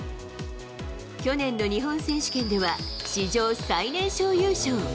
去年の日本選手権では、史上最年少優勝。